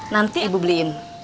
nanti ibu beliin